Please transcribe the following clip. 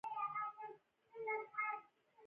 د پیسو دوران د سوداګرۍ وینه ده.